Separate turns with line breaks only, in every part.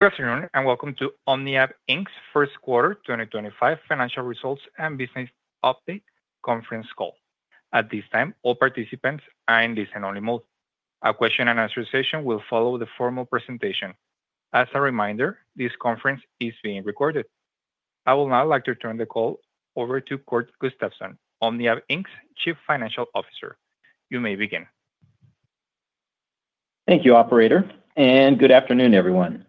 Good afternoon and welcome to OmniAb Inc's First Quarter 2025 Financial Results and Business Update Conference Call. At this time, all participants are in listen-only mode. A question-and-answer session will follow the formal presentation. As a reminder, this conference is being recorded. I would now like to turn the call over to Kurt Gustafson, OmniAb Inc's Chief Financial Officer. You may begin.
Thank you, Operator, and good afternoon, everyone.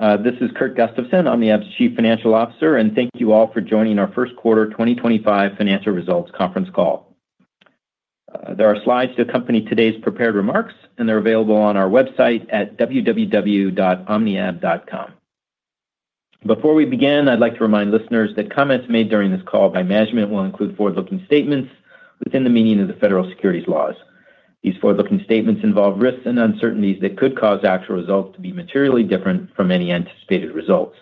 This is Kurt Gustafson, OmniAb's Chief Financial Officer, and thank you all for joining our First Quarter 2025 Financial Results Conference Call. There are slides to accompany today's prepared remarks, and they're available on our website at www.omniab.com. Before we begin, I'd like to remind listeners that comments made during this call by management will include forward-looking statements within the meaning of the federal securities laws. These forward-looking statements involve risks and uncertainties that could cause actual results to be materially different from any anticipated results.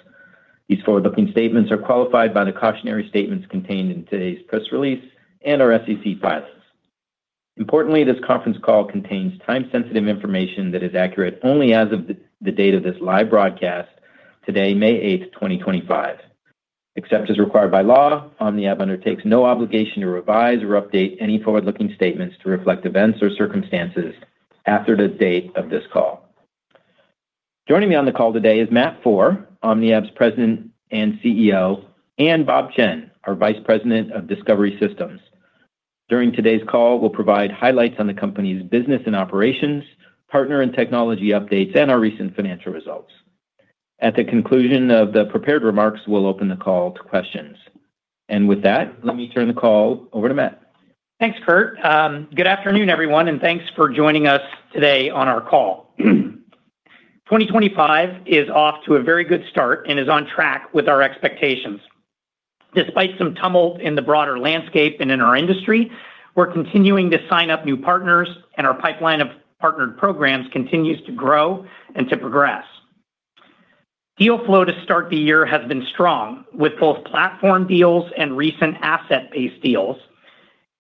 These forward-looking statements are qualified by the cautionary statements contained in today's press release and our SEC files. Importantly, this conference call contains time-sensitive information that is accurate only as of the date of this live broadcast today, May 8th, 2025. Except as required by law, OmniAb undertakes no obligation to revise or update any forward-looking statements to reflect events or circumstances after the date of this call. Joining me on the call today is Matt Foehr, OmniAb's President and CEO, and Bob Chen, our Vice President of Discovery Systems. During today's call, we'll provide highlights on the company's business and operations, partner and technology updates, and our recent financial results. At the conclusion of the prepared remarks, we'll open the call to questions. Let me turn the call over to Matt.
Thanks, Kurt. Good afternoon, everyone, and thanks for joining us today on our call. 2025 is off to a very good start and is on track with our expectations. Despite some tumult in the broader landscape and in our industry, we're continuing to sign up new partners, and our pipeline of partnered programs continues to grow and to progress. Deal flow to start the year has been strong, with both platform deals and recent asset-based deals,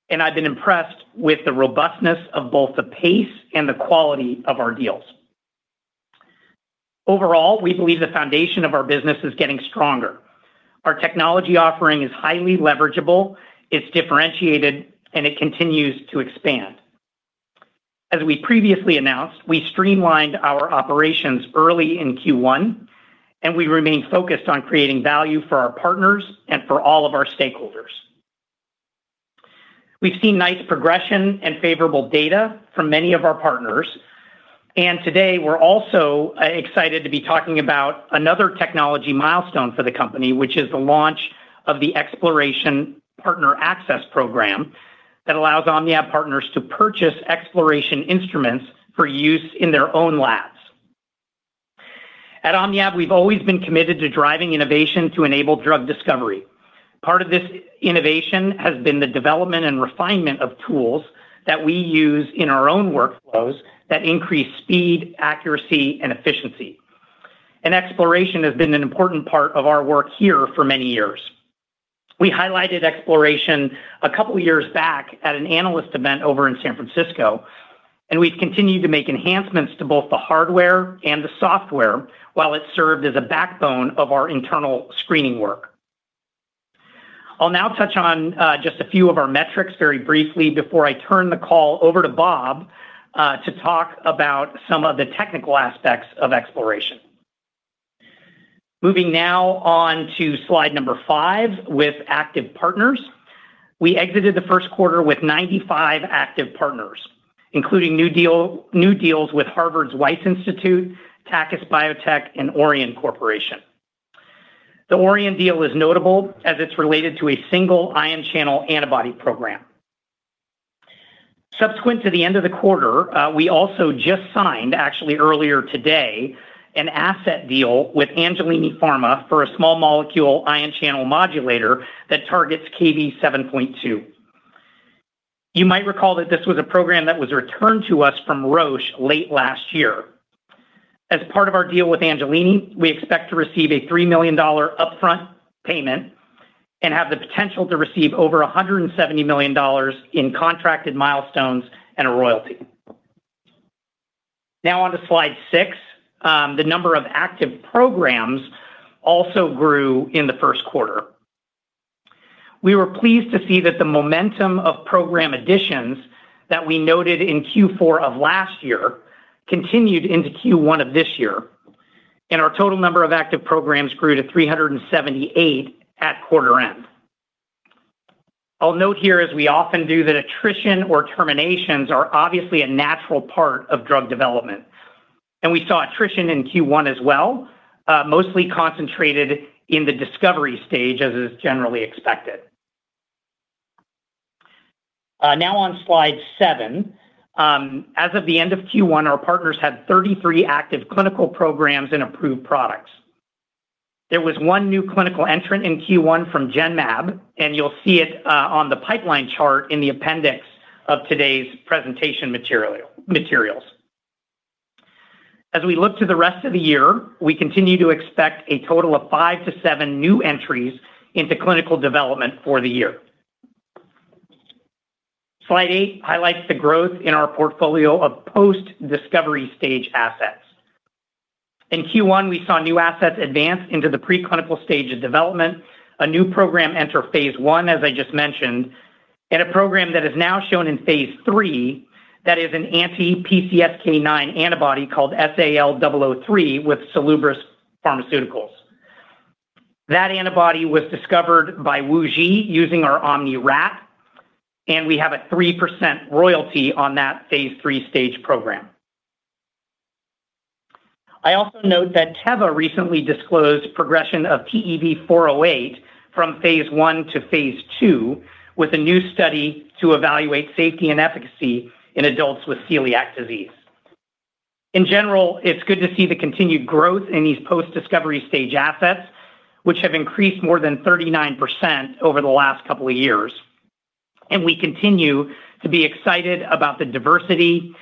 and I've been impressed with the robustness of both the pace and the quality of our deals. Overall, we believe the foundation of our business is getting stronger. Our technology offering is highly leverageable, it's differentiated, and it continues to expand. As we previously announced, we streamlined our operations early in Q1, and we remain focused on creating value for our partners and for all of our stakeholders. We've seen nice progression and favorable data from many of our partners, and today we're also excited to be talking about another technology milestone for the company, which is the launch of the Exploration Partner Access Program that allows OmniAb partners to purchase Exploration instruments for use in their own labs. At OmniAb, we've always been committed to driving innovation to enable drug discovery. Part of this innovation has been the development and refinement of tools that we use in our own workflows that increase speed, accuracy, and efficiency. Exploration has been an important part of our work here for many years. We highlighted Exploration a couple of years back at an analyst event over in San Francisco, and we've continued to make enhancements to both the hardware and the software while it served as a backbone of our internal screening work. I'll now touch on just a few of our metrics very briefly before I turn the call over to Bob to talk about some of the technical aspects of Exploration. Moving now on to slide number five with active partners. We exited the first quarter with 95 active partners, including new deals with Harvard Wyss Institute, Tacus Biotech, and Orion Corporation. The Orion deal is notable as it's related to a single ion channel antibody program. Subsequent to the end of the quarter, we also just signed, actually earlier today, an asset deal with Angelini Pharma for a small molecule ion channel modulator that targets KV7.2. You might recall that this was a program that was returned to us from Roche late last year. As part of our deal with Angelini, we expect to receive a $3 million upfront payment and have the potential to receive over $170 million in contracted milestones and a royalty. Now on to slide six, the number of active programs also grew in the first quarter. We were pleased to see that the momentum of program additions that we noted in Q4 of last year continued into Q1 of this year, and our total number of active programs grew to 378 at quarter end. I'll note here, as we often do, that attrition or terminations are obviously a natural part of drug development, and we saw attrition in Q1 as well, mostly concentrated in the discovery stage, as is generally expected. Now on slide seven, as of the end of Q1, our partners had 33 active clinical programs and approved products. There was one new clinical entrant in Q1 from GenMab, and you'll see it on the pipeline chart in the appendix of today's presentation materials. As we look to the rest of the year, we continue to expect a total of five to seven new entries into clinical development for the year. Slide eight highlights the growth in our portfolio of post-discovery stage assets. In Q1, we saw new assets advance into the preclinical stage of development, a new program enter phase one, as I just mentioned, and a program that is now shown in phase three that is an anti-PCSK9 antibody called SAL003 with Salubris Pharmaceuticals. That antibody was discovered by Wuji using our OmniRAT, and we have a 3% royalty on that phase three stage program. I also note that Teva recently disclosed progression of PEV408 from phase one to phase two with a new study to evaluate safety and efficacy in adults with celiac disease. In general, it's good to see the continued growth in these post-discovery stage assets, which have increased more than 39% over the last couple of years. We continue to be excited about the diversity,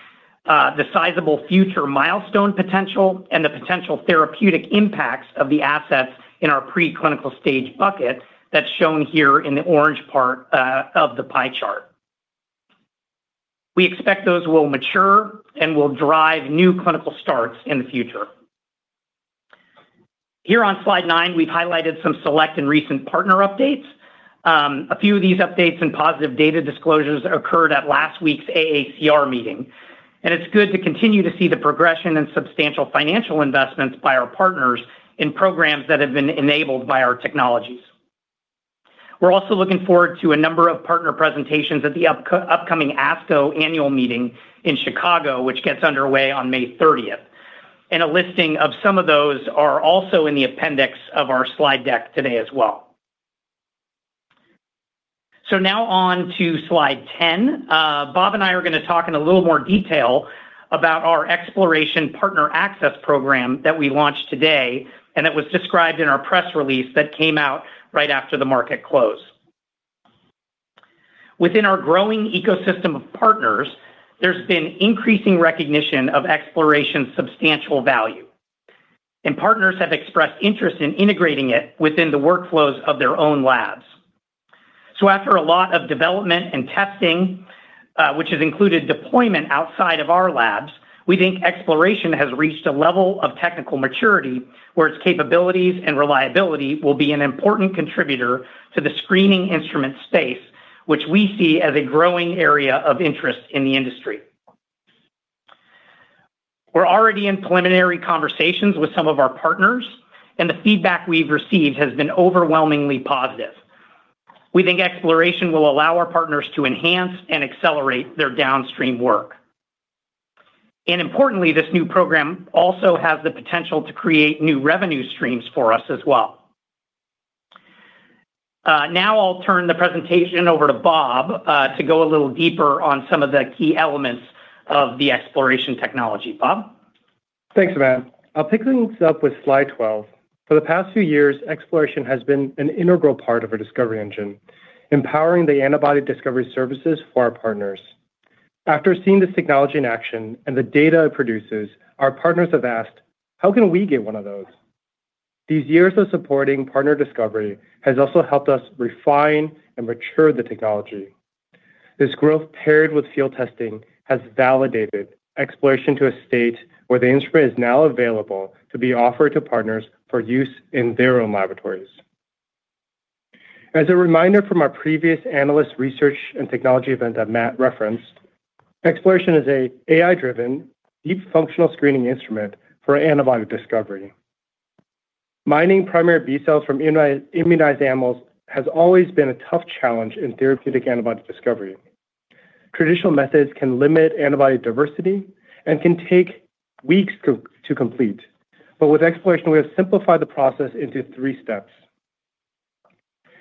the sizable future milestone potential, and the potential therapeutic impacts of the assets in our preclinical stage bucket that's shown here in the orange part of the pie chart. We expect those will mature and will drive new clinical starts in the future. Here on slide nine, we've highlighted some select and recent partner updates. A few of these updates and positive data disclosures occurred at last week's AACR meeting, and it's good to continue to see the progression and substantial financial investments by our partners in programs that have been enabled by our technologies. We're also looking forward to a number of partner presentations at the upcoming ASCO annual meeting in Chicago, which gets underway on May 30th, and a listing of some of those are also in the appendix of our slide deck today as well. Now on to slide 10, Bob and I are going to talk in a little more detail about our Exploration Partner Access Program that we launched today and that was described in our press release that came out right after the market close. Within our growing ecosystem of partners, there's been increasing recognition of Exploration's substantial value, and partners have expressed interest in integrating it within the workflows of their own labs. After a lot of development and testing, which has included deployment outside of our labs, we think Exploration has reached a level of technical maturity where its capabilities and reliability will be an important contributor to the screening instrument space, which we see as a growing area of interest in the industry. We're already in preliminary conversations with some of our partners, and the feedback we've received has been overwhelmingly positive. We think Exploration will allow our partners to enhance and accelerate their downstream work. Importantly, this new program also has the potential to create new revenue streams for us as well. Now I'll turn the presentation over to Bob to go a little deeper on some of the key elements of the Exploration technology. Bob.
Thanks, Matt. I'll pick things up with slide 12. For the past few years, Exploration has been an integral part of our discovery engine, empowering the antibody discovery services for our partners. After seeing this technology in action and the data it produces, our partners have asked, "How can we get one of those?" These years of supporting partner discovery have also helped us refine and mature the technology. This growth, paired with field testing, has validated Exploration to a state where the instrument is now available to be offered to partners for use in their own laboratories. As a reminder from our previous analyst research and technology event that Matt referenced, Exploration is an AI-driven, deep functional screening instrument for antibody discovery. Mining primary B cells from immunized animals has always been a tough challenge in therapeutic antibody discovery. Traditional methods can limit antibody diversity and can take weeks to complete, but with Exploration, we have simplified the process into three steps.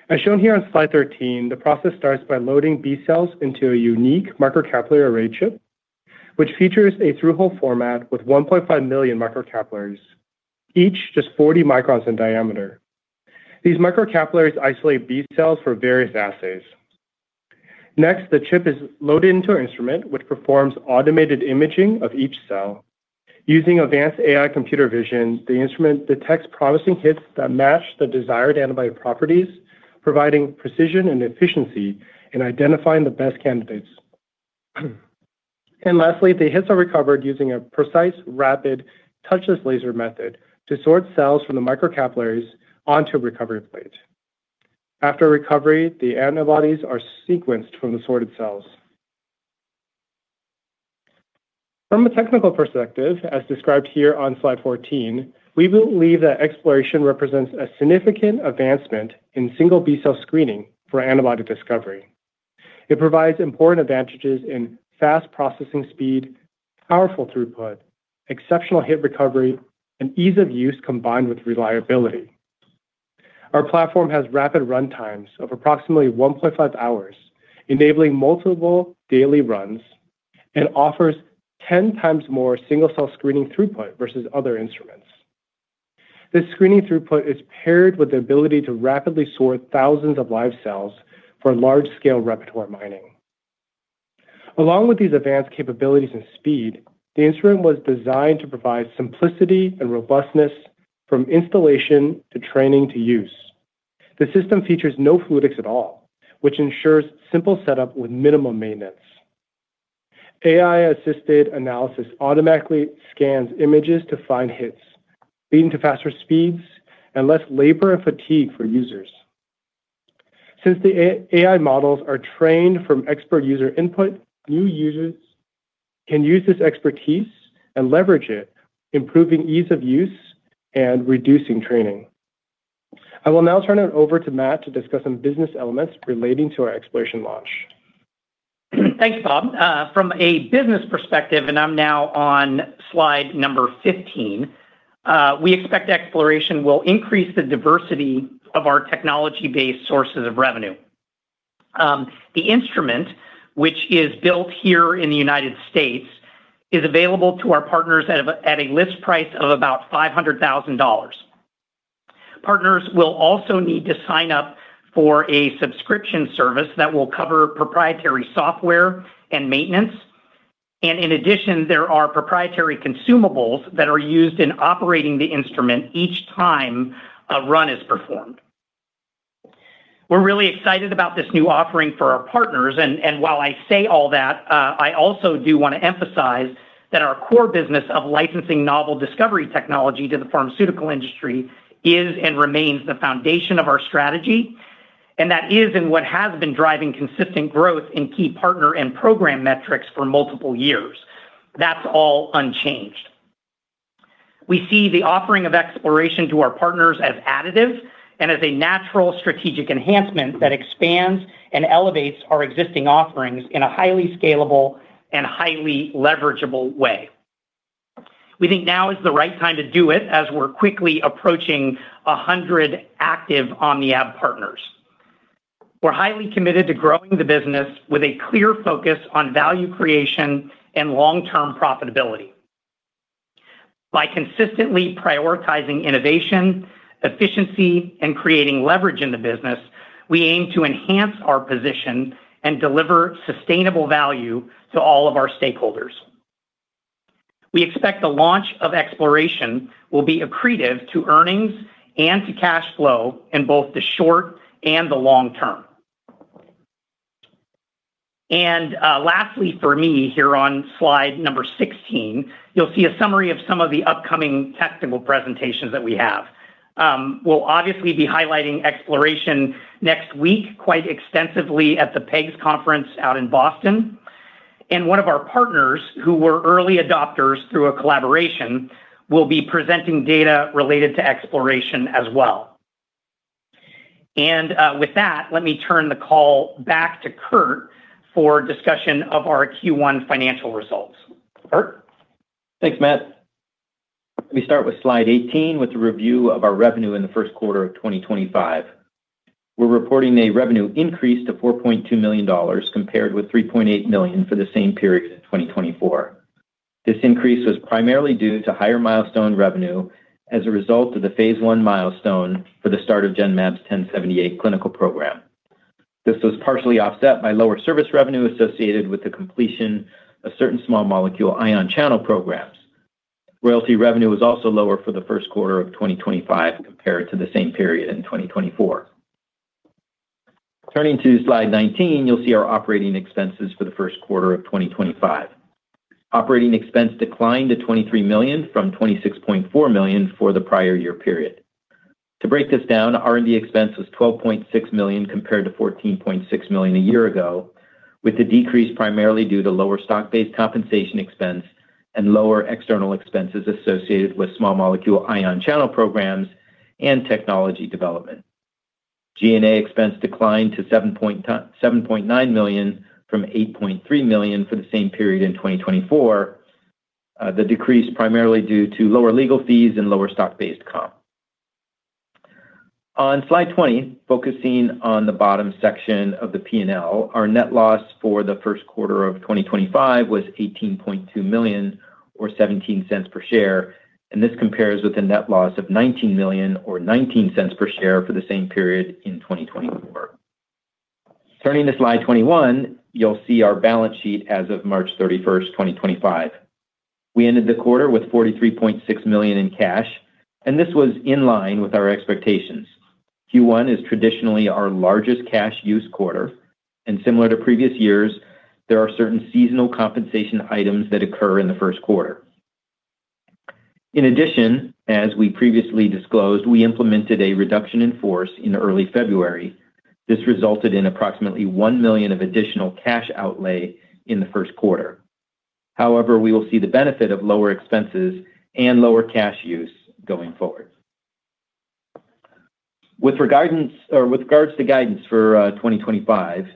As shown here on slide 13, the process starts by loading B cells into a unique microcapillary array chip, which features a through-hole format with 1.5 million microcapillaries, each just 40 microns in diameter. These microcapillaries isolate B cells for various assays. Next, the chip is loaded into an instrument, which performs automated imaging of each cell. Using advanced AI computer vision, the instrument detects promising hits that match the desired antibody properties, providing precision and efficiency in identifying the best candidates. Lastly, the hits are recovered using a precise, rapid, touchless laser method to sort cells from the microcapillaries onto a recovery plate. After recovery, the antibodies are sequenced from the sorted cells. From a technical perspective, as described here on slide 14, we believe that Exploration represents a significant advancement in single B cell screening for antibody discovery. It provides important advantages in fast processing speed, powerful throughput, exceptional hit recovery, and ease of use combined with reliability. Our platform has rapid run times of approximately 1.5 hours, enabling multiple daily runs, and offers 10 times more single cell screening throughput versus other instruments. This screening throughput is paired with the ability to rapidly sort thousands of live cells for large-scale repertoire mining. Along with these advanced capabilities and speed, the instrument was designed to provide simplicity and robustness from installation to training to use. The system features no fluidics at all, which ensures simple setup with minimal maintenance. AI-assisted analysis automatically scans images to find hits, leading to faster speeds and less labor and fatigue for users. Since the AI models are trained from expert user input, new users can use this expertise and leverage it, improving ease of use and reducing training. I will now turn it over to Matt to discuss some business elements relating to our Exploration launch.
Thanks, Bob. From a business perspective, and I'm now on slide number 15, we expect Exploration will increase the diversity of our technology-based sources of revenue. The instrument, which is built here in the United States, is available to our partners at a list price of about $500,000. Partners will also need to sign up for a subscription service that will cover proprietary software and maintenance, and in addition, there are proprietary consumables that are used in operating the instrument each time a run is performed. We're really excited about this new offering for our partners, and while I say all that, I also do want to emphasize that our core business of licensing novel discovery technology to the pharmaceutical industry is and remains the foundation of our strategy, and that is in what has been driving consistent growth in key partner and program metrics for multiple years. That's all unchanged. We see the offering of Exploration to our partners as additive and as a natural strategic enhancement that expands and elevates our existing offerings in a highly scalable and highly leverageable way. We think now is the right time to do it as we're quickly approaching 100 active OmniAb partners. We're highly committed to growing the business with a clear focus on value creation and long-term profitability. By consistently prioritizing innovation, efficiency, and creating leverage in the business, we aim to enhance our position and deliver sustainable value to all of our stakeholders. We expect the launch of Exploration will be accretive to earnings and to cash flow in both the short and the long term. Lastly, for me, here on slide number 16, you'll see a summary of some of the upcoming technical presentations that we have. We'll obviously be highlighting Exploration next week quite extensively at the PEGS conference out in Boston, and one of our partners who were early adopters through a collaboration will be presenting data related to Exploration as well. With that, let me turn the call back to Kurt for discussion of our Q1 financial results. Kurt.
Thanks, Matt. Let me start with slide 18 with the review of our revenue in the first quarter of 2025. We're reporting a revenue increase to $4.2 million compared with $3.8 million for the same period in 2024. This increase was primarily due to higher milestone revenue as a result of the phase one milestone for the start of GenMab's 1078 clinical program. This was partially offset by lower service revenue associated with the completion of certain small molecule ion channel programs. Royalty revenue was also lower for the first quarter of 2025 compared to the same period in 2024. Turning to slide 19, you'll see our operating expenses for the first quarter of 2025. Operating expense declined to $23 million from $26.4 million for the prior year period. To break this down, R&D expense was $12.6 million compared to $14.6 million a year ago, with the decrease primarily due to lower stock-based compensation expense and lower external expenses associated with small molecule ion channel programs and technology development. G&A expense declined to $7.9 million from $8.3 million for the same period in 2024, the decrease primarily due to lower legal fees and lower stock-based comp. On slide 20, focusing on the bottom section of the P&L, our net loss for the first quarter of 2025 was $18.2 million or $0.17 per share, and this compares with a net loss of $19 million or $0.19 per share for the same period in 2024. Turning to slide 21, you'll see our balance sheet as of March 31, 2025. We ended the quarter with $43.6 million in cash, and this was in line with our expectations. Q1 is traditionally our largest cash use quarter, and similar to previous years, there are certain seasonal compensation items that occur in the first quarter. In addition, as we previously disclosed, we implemented a reduction in force in early February. This resulted in approximately $1 million of additional cash outlay in the first quarter. However, we will see the benefit of lower expenses and lower cash use going forward. With regards to guidance for 2025,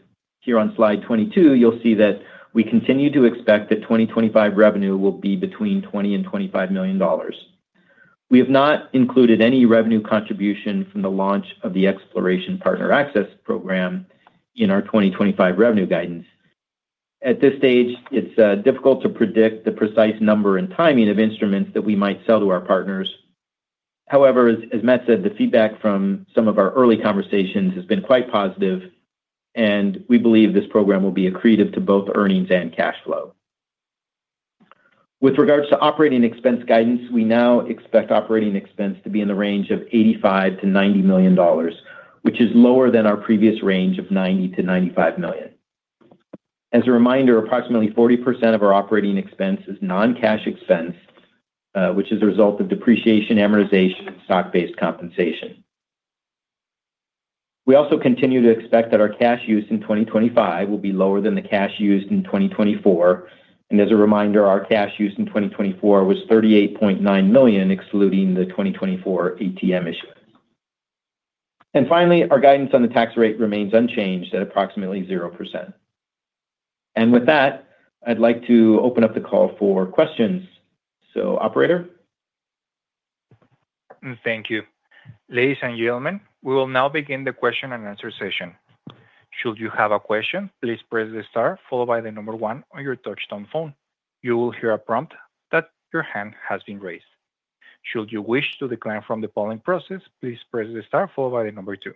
here on slide 22, you'll see that we continue to expect that 2025 revenue will be between $20 million and $25 million. We have not included any revenue contribution from the launch of the Exploration Partner Access Program in our 2025 revenue guidance. At this stage, it's difficult to predict the precise number and timing of instruments that we might sell to our partners. However, as Matt said, the feedback from some of our early conversations has been quite positive, and we believe this program will be accretive to both earnings and cash flow. With regards to operating expense guidance, we now expect operating expense to be in the range of $85-$90 million, which is lower than our previous range of $90-$95 million. As a reminder, approximately 40% of our operating expense is non-cash expense, which is a result of depreciation, amortization, and stock-based compensation. We also continue to expect that our cash use in 2025 will be lower than the cash used in 2024, and as a reminder, our cash use in 2024 was $38.9 million, excluding the 2024 ATM issuance. Our guidance on the tax rate remains unchanged at approximately 0%. With that, I'd like to open up the call for questions. Operator.
Thank you. Ladies and gentlemen, we will now begin the question and answer session. Should you have a question, please press the star followed by the number one on your touch-tone phone. You will hear a prompt that your hand has been raised. Should you wish to decline from the polling process, please press the star followed by the number two.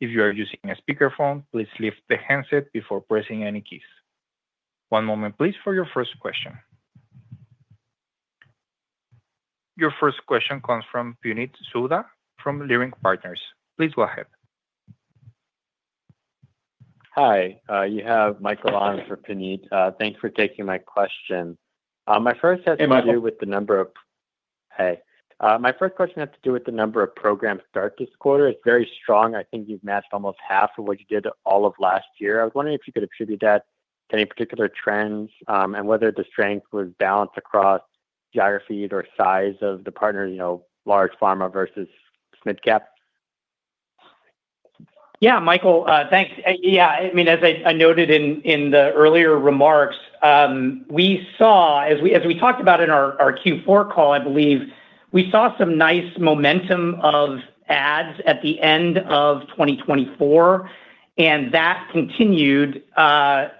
If you are using a speakerphone, please lift the handset before pressing any keys. One moment, please, for your first question. Your first question comes from Puneet Souda from Leerink Partners. Please go ahead.
Hi. You haveMichael on for Puneet. Thanks for taking my question. My first has to do with the number of—hey. My first question has to do with the number of programs start this quarter. It's very strong. I think you've matched almost half of what you did all of last year. I was wondering if you could attribute that to any particular trends and whether the strength was balanced across geography or size of the partners, large pharma versus mid-cap.
Yeah, Michael, thanks. Yeah, I mean, as I noted in the earlier remarks, we saw, as we talked about in our Q4 call, I believe, we saw some nice momentum of adds at the end of 2024, and that continued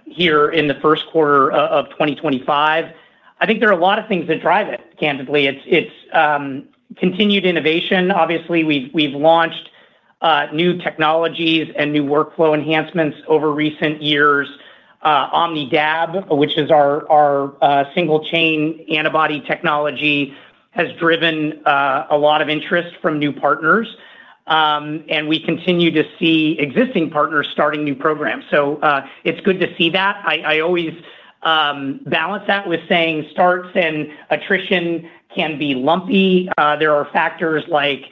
here in the first quarter of 2025. I think there are a lot of things that drive it, candidly. It's continued innovation. Obviously, we've launched new technologies and new workflow enhancements over recent years. OmniAb, which is our single-chain antibody technology, has driven a lot of interest from new partners, and we continue to see existing partners starting new programs. It is good to see that. I always balance that with saying starts and attrition can be lumpy. There are factors like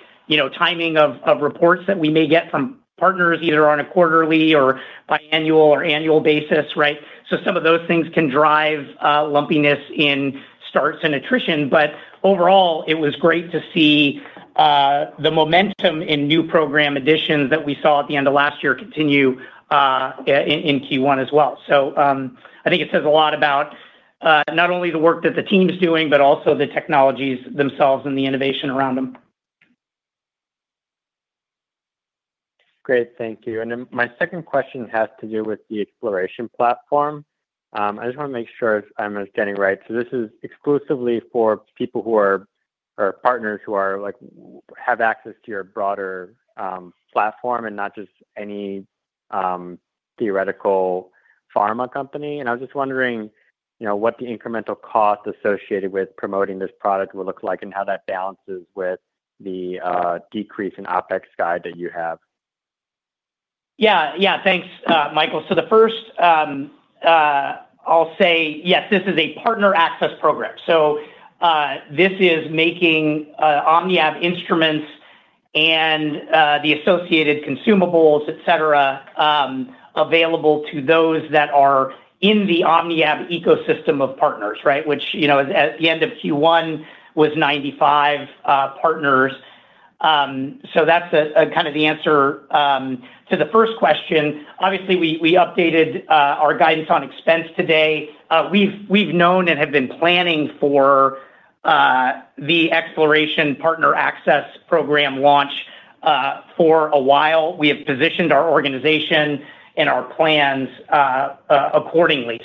timing of reports that we may get from partners either on a quarterly or biannual or annual basis, right? Some of those things can drive lumpiness in starts and attrition, but overall, it was great to see the momentum in new program additions that we saw at the end of last year continue in Q1 as well. I think it says a lot about not only the work that the team is doing, but also the technologies themselves and the innovation around them.
Great. Thank you. My second question has to do with the Exploration platform. I just want to make sure I'm understanding right. This is exclusively for people who are partners who have access to your broader platform and not just any theoretical pharma company. I was just wondering what the incremental cost associated with promoting this product will look like and how that balances with the decrease in OpEx guide that you have.
Yeah, yeah. Thanks, Michael. The first, I'll say, yes, this is a partner access program. This is making OmniAb instruments and the associated consumables, etc., available to those that are in the OmniAb ecosystem of partners, which at the end of Q1 was 95 partners. That's kind of the answer to the first question. Obviously, we updated our guidance on expense today. We've known and have been planning for the Exploration partner access program launch for a while. We have positioned our organization and our plans accordingly.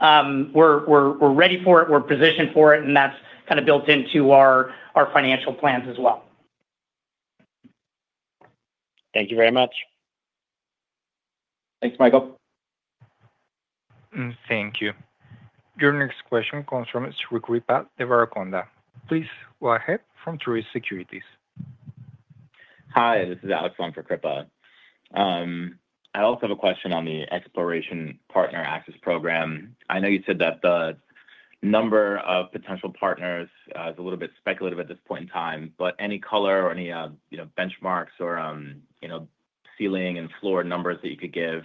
We're ready for it. We're positioned for it, and that's kind of built into our financial plans as well.
Thank you very much.
Thanks, Michael.
Thank you. Your next question comes from Zurich Repha, Devara Konda. Please go ahead from Tourist Securities.
Hi, this is Alex from Frucrepa. I also have a question on the Exploration Partner Access Program. I know you said that the number of potential partners is a little bit speculative at this point in time, but any color or any benchmarks or ceiling and floor numbers that you could give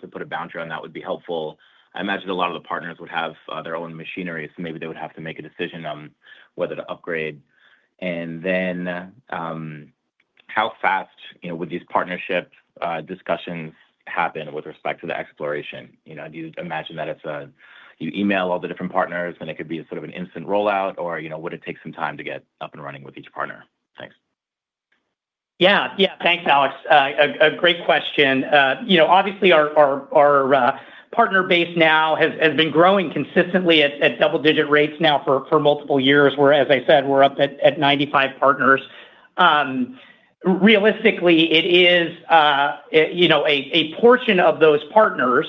to put a boundary on that would be helpful. I imagine a lot of the partners would have their own machinery, so maybe they would have to make a decision on whether to upgrade. How fast would these partnership discussions happen with respect to the Exploration? Do you imagine that you email all the different partners, and it could be sort of an instant rollout, or would it take some time to get up and running with each partner? Thanks.
Yeah, yeah. Thanks, Alex. A great question. Obviously, our partner base now has been growing consistently at double-digit rates now for multiple years. As I said, we're up at 95 partners. Realistically, it is a portion of those partners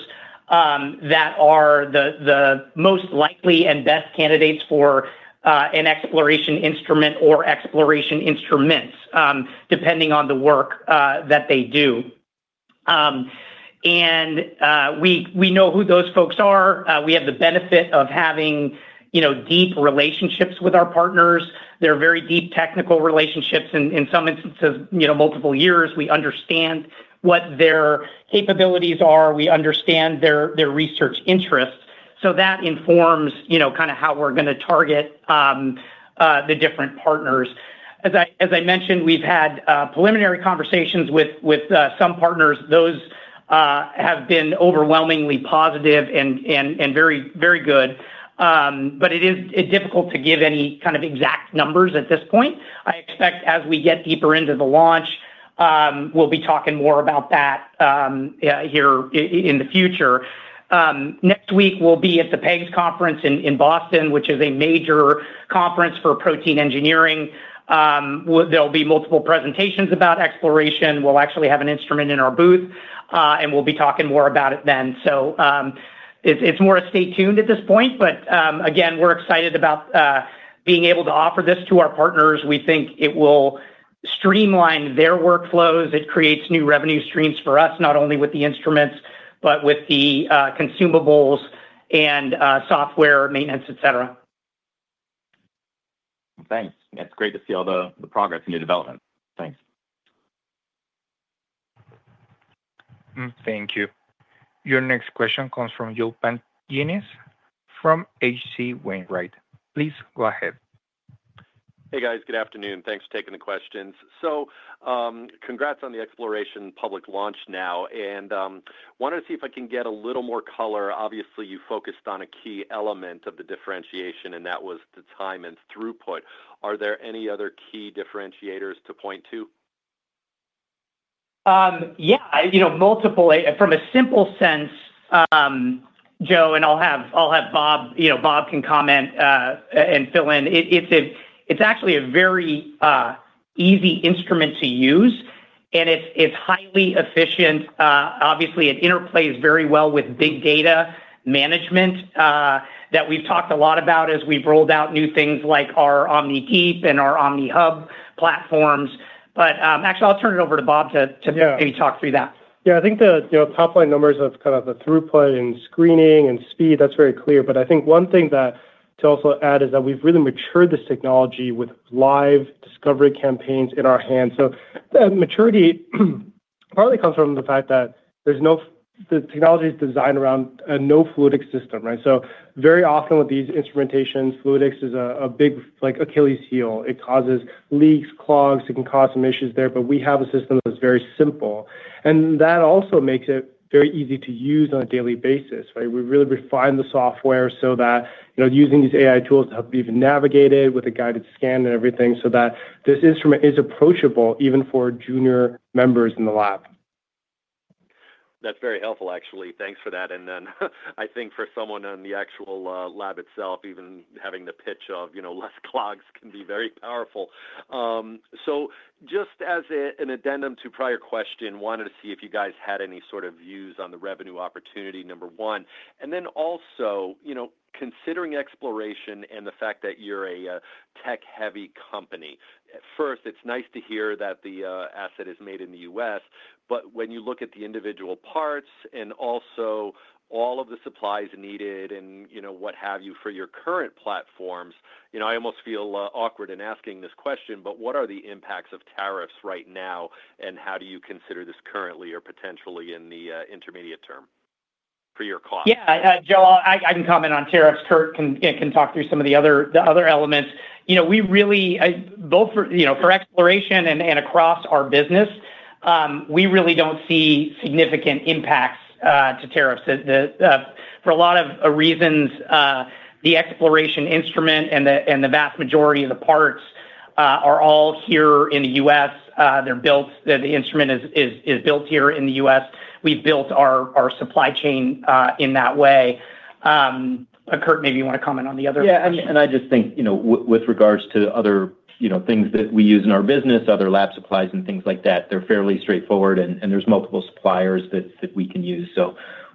that are the most likely and best candidates for an Exploration instrument or Exploration instruments, depending on the work that they do. We know who those folks are. We have the benefit of having deep relationships with our partners. They're very deep technical relationships. In some instances, multiple years. We understand what their capabilities are. We understand their research interests. That informs kind of how we're going to target the different partners. As I mentioned, we've had preliminary conversations with some partners. Those have been overwhelmingly positive and very good, but it is difficult to give any kind of exact numbers at this point. I expect as we get deeper into the launch, we'll be talking more about that here in the future. Next week, we'll be at the PEGS conference in Boston, which is a major conference for protein engineering. There'll be multiple presentations about Exploration. We'll actually have an instrument in our booth, and we'll be talking more about it then. It's more a stay tuned at this point, but again, we're excited about being able to offer this to our partners. We think it will streamline their workflows. It creates new revenue streams for us, not only with the instruments, but with the consumables and software maintenance, etc.
Thanks. It's great to see all the progress and new development. Thanks.
Thank you. Your next question comes from Yulpen Yenes from H.C. Wainwright. Please go ahead.
Hey, guys. Good afternoon. Thanks for taking the questions. Congrats on the Exploration public launch now, and wanted to see if I can get a little more color. Obviously, you focused on a key element of the differentiation, and that was the time and throughput. Are there any other key differentiators to point to?
Yeah, multiple. From a simple sense, Joe, and I'll have Bob can comment and fill in. It's actually a very easy instrument to use, and it's highly efficient. Obviously, it interplays very well with big data management that we've talked a lot about as we've rolled out new things like our OmniDeep and our OmniHub platforms. Actually, I'll turn it over to Bob to maybe talk through that.
Yeah, I think the top line numbers of kind of the throughput and screening and speed, that's very clear. I think one thing to also add is that we've really matured this technology with live discovery campaigns in our hands. That maturity probably comes from the fact that the technology is designed around a no-fluidic system, right? Very often with these instrumentations, fluidics is a big Achilles heel. It causes leaks, clogs. It can cause some issues there, but we have a system that's very simple. That also makes it very easy to use on a daily basis, right? We really refine the software so that using these AI tools to help you even navigate it with a guided scan and everything so that this instrument is approachable even for junior members in the lab.
That's very helpful, actually. Thanks for that. I think for someone in the actual lab itself, even having the pitch of less clogs can be very powerful. Just as an addendum to prior question, wanted to see if you guys had any sort of views on the revenue opportunity, number one. Also considering Exploration and the fact that you're a tech-heavy company. At first, it's nice to hear that the asset is made in the US, but when you look at the individual parts and also all of the supplies needed and what have you for your current platforms, I almost feel awkward in asking this question, but what are the impacts of tariffs right now, and how do you consider this currently or potentially in the intermediate term for your cost?
Yeah, Joe, I can comment on tariffs. Kurt can talk through some of the other elements. We really, both for Exploration and across our business, we really do not see significant impacts to tariffs for a lot of reasons. The Exploration instrument and the vast majority of the parts are all here in the U.S. The instrument is built here in the U.S. We have built our supply chain in that way. Kurt, maybe you want to comment on the other question.
Yeah, and I just think with regards to other things that we use in our business, other lab supplies and things like that, they're fairly straightforward, and there's multiple suppliers that we can use.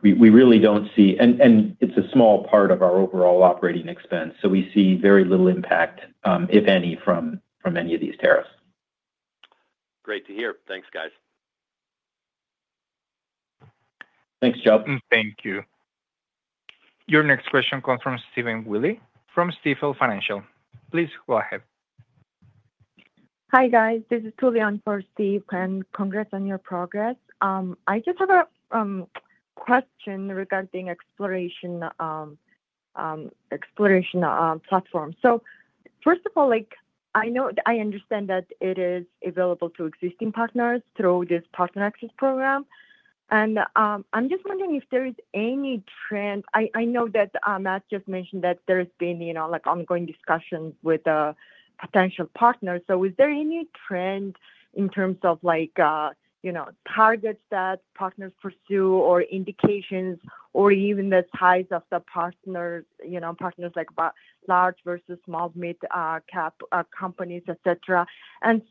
We really don't see, and it's a small part of our overall operating expense. We see very little impact, if any, from any of these tariffs.
Great to hear. Thanks, guys.
Thanks, Joe.
Thank you. Your next question comes from Stephen Douglas Willey from Stifel Financial. Please go ahead.
Hi, guys. This is Tuliane for Stefell. Congrats on your progress. I just have a question regarding Exploration platform. First of all, I understand that it is available to existing partners through this partner access program. I'm just wondering if there is any trend. I know that Matt just mentioned that there has been ongoing discussions with potential partners. Is there any trend in terms of targets that partners pursue or indications or even the size of the partners, partners like large versus small, mid-cap companies, etc.?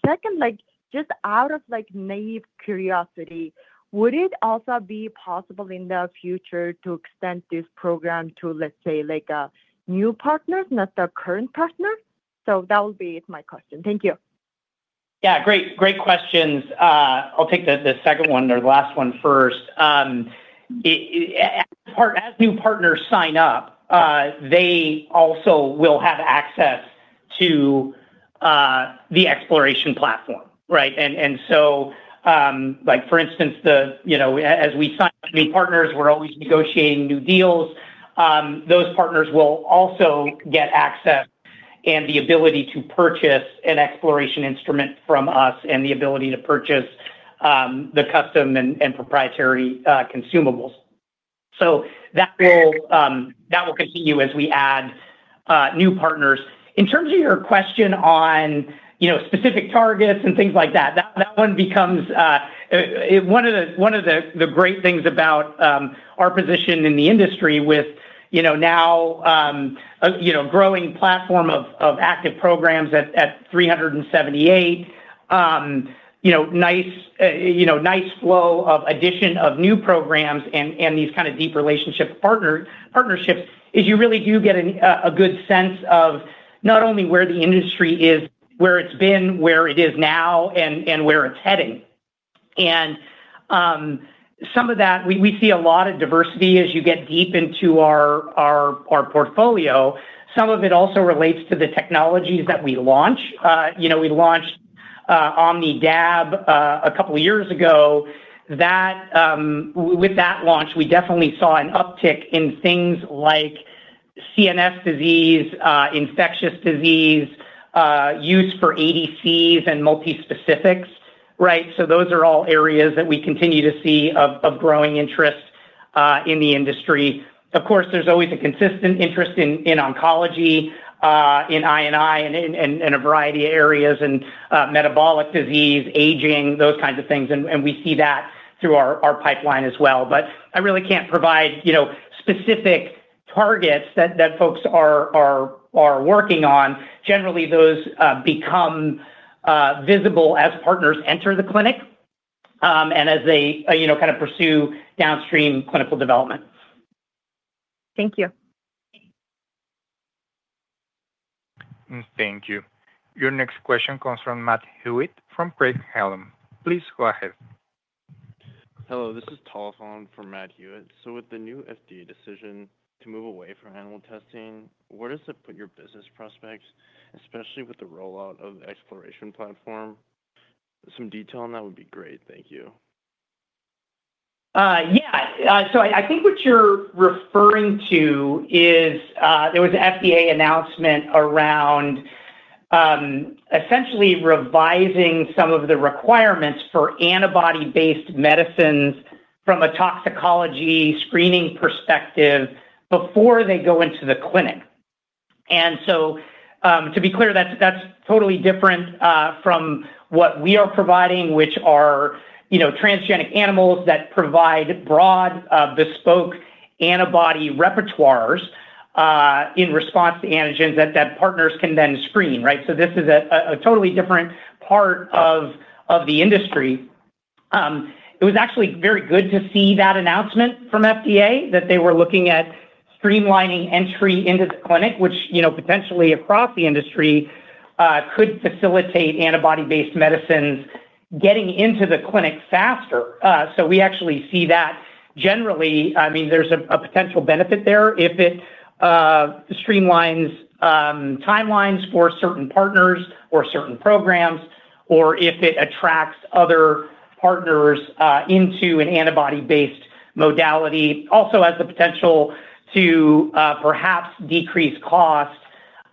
Second, just out of naive curiosity, would it also be possible in the future to extend this program to, let's say, new partners, not the current partner? That will be my question. Thank you.
Yeah, great questions. I'll take the second one or the last one first. As new partners sign up, they also will have access to the Exploration platform, right? For instance, as we sign up new partners, we're always negotiating new deals. Those partners will also get access and the ability to purchase an Exploration instrument from us and the ability to purchase the custom and proprietary consumables. That will continue as we add new partners. In terms of your question on specific targets and things like that, that one becomes one of the great things about our position in the industry with now a growing platform of active programs at 378, nice flow of addition of new programs and these kind of deep relationship partnerships, is you really do get a good sense of not only where the industry is, where it's been, where it is now, and where it's heading. Some of that, we see a lot of diversity as you get deep into our portfolio. Some of it also relates to the technologies that we launch. We launched OmniAb a couple of years ago. With that launch, we definitely saw an uptick in things like CNS disease, infectious disease, use for ADCs and multi-specifics, right? Those are all areas that we continue to see of growing interest in the industry. Of course, there's always a consistent interest in oncology, in INI, and in a variety of areas, and metabolic disease, aging, those kinds of things. We see that through our pipeline as well. I really can't provide specific targets that folks are working on. Generally, those become visible as partners enter the clinic and as they kind of pursue downstream clinical development.
Thank you.
Thank you. Your next question comes from Matt Hewitt from Craig-Hallum. Please go ahead.
Hello, this is Tala Phan from Matt Hewitt. With the new FDA decision to move away from animal testing, where does it put your business prospects, especially with the rollout of the Exploration platform? Some detail on that would be great. Thank you.
Yeah. I think what you're referring to is there was an FDA announcement around essentially revising some of the requirements for antibody-based medicines from a toxicology screening perspective before they go into the clinic. To be clear, that's totally different from what we are providing, which are transgenic animals that provide broad bespoke antibody repertoires in response to antigens that partners can then screen, right? This is a totally different part of the industry. It was actually very good to see that announcement from FDA that they were looking at streamlining entry into the clinic, which potentially across the industry could facilitate antibody-based medicines getting into the clinic faster. We actually see that generally. I mean, there's a potential benefit there if it streamlines timelines for certain partners or certain programs, or if it attracts other partners into an antibody-based modality. Also has the potential to perhaps decrease cost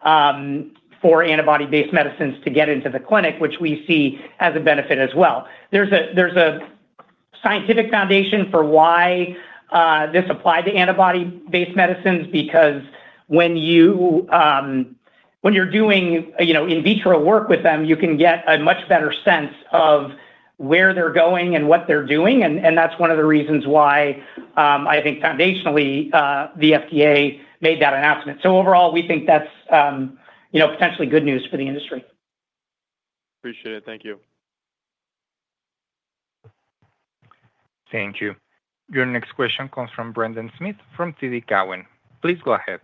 for antibody-based medicines to get into the clinic, which we see as a benefit as well. There is a scientific foundation for why this applied to antibody-based medicines because when you are doing in vitro work with them, you can get a much better sense of where they are going and what they are doing. That is one of the reasons why I think foundationally the FDA made that announcement. Overall, we think that is potentially good news for the industry. Appreciate it. Thank you.
Thank you. Your next question comes from Brendan Smith from TD Cowen. Please go ahead.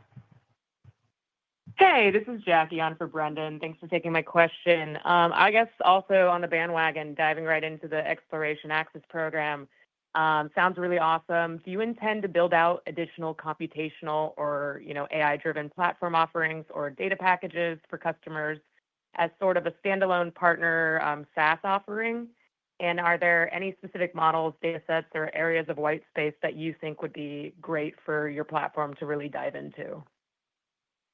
Hey, this is Jackie on for Brendan. Thanks for taking my question. I guess also on the bandwagon, diving right into the Exploration Access program sounds really awesome. Do you intend to build out additional computational or AI-driven platform offerings or data packages for customers as sort of a standalone partner SaaS offering? Are there any specific models, data sets, or areas of white space that you think would be great for your platform to really dive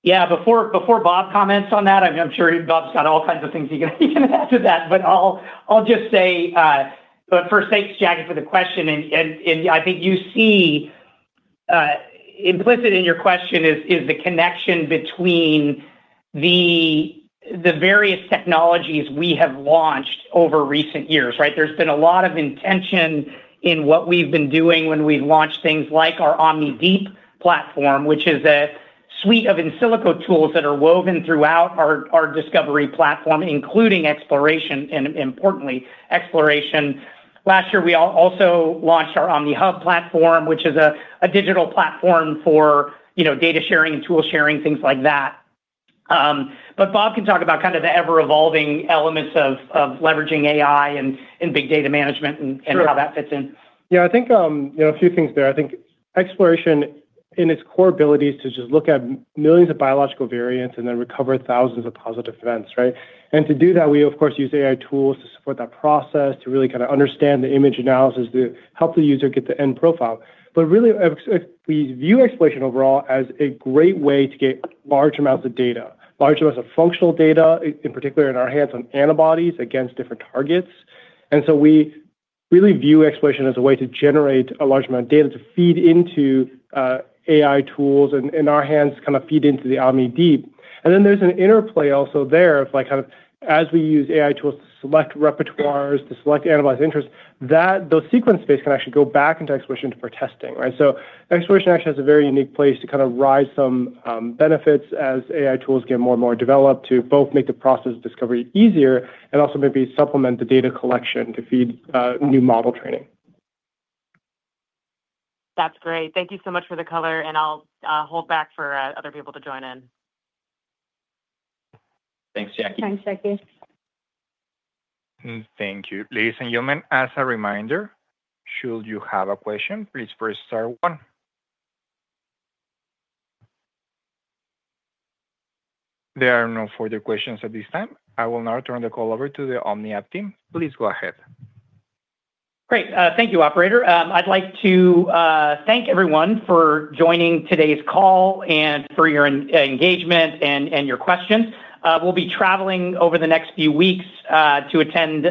into?
Yeah, before Bob comments on that, I'm sure Bob's got all kinds of things he can add to that, but I'll just say, thanks, Jackie, for the question. I think you see implicit in your question is the connection between the various technologies we have launched over recent years, right? There's been a lot of intention in what we've been doing when we've launched things like our OmniDeep platform, which is a suite of in silico tools that are woven throughout our discovery platform, including Exploration and, importantly, Exploration. Last year, we also launched our OmniHub platform, which is a digital platform for data sharing and tool sharing, things like that. Bob can talk about kind of the ever-evolving elements of leveraging AI and big data management and how that fits in.
Yeah, I think a few things there. I think Exploration in its core ability is to just look at millions of biological variants and then recover thousands of positive events, right? To do that, we, of course, use AI tools to support that process, to really kind of understand the image analysis, to help the user get the end profile. We really view Exploration overall as a great way to get large amounts of data, large amounts of functional data, in particular in our hands on antibodies against different targets. We really view Exploration as a way to generate a large amount of data to feed into AI tools and in our hands kind of feed into the OmniDeep. There is an interplay also there of kind of as we use AI tools to select repertoires, to select antibodies of interest, that those sequence space can actually go back into Exploration for testing, right? Exploration actually has a very unique place to kind of ride some benefits as AI tools get more and more developed to both make the process of discovery easier and also maybe supplement the data collection to feed new model training.
That's great. Thank you so much for the color, and I'll hold back for other people to join in.
Thanks, Jackie. Thanks, Jackie.
Thank you. Ladies and gentlemen, as a reminder, should you have a question, please press star one. There are no further questions at this time. I will now turn the call over to the OmniAb team. Please go ahead.
Great. Thank you, operator. I'd like to thank everyone for joining today's call and for your engagement and your questions. We'll be traveling over the next few weeks to attend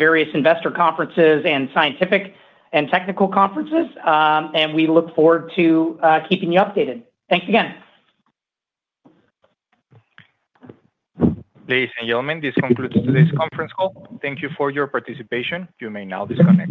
various investor conferences and scientific and technical conferences, and we look forward to keeping you updated. Thanks again.
Ladies and gentlemen, this concludes today's conference call. Thank you for your participation. You may now disconnect.